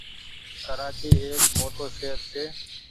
ڪرآچي ايڪ موٽو شهر ڇي۔